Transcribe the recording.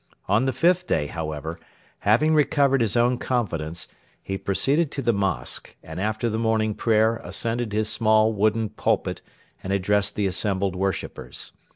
On the fifth day, however, having recovered his own confidence, he proceeded to the mosque, and after the morning prayer ascended his small wooden pulpit and addressed the assembled worshippers.